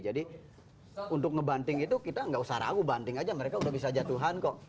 jadi untuk ngebanting itu kita gak usah ragu banting aja mereka udah bisa jatuhan kok